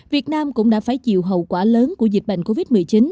việt nam cũng đã phải chịu hậu quả lớn của dịch bệnh covid một mươi chín